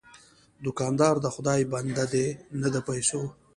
دوکاندار د خدای بنده دی، نه د پیسو.